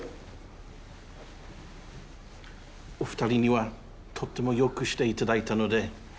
お二人にはとってもよくして頂いたので。